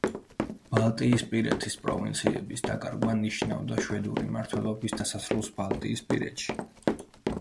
ბალტიისპირეთის პროვინციების დაკარგვა ნიშნავდა შვედური მმართველობის დასასრულს ბალტიისპირეთში.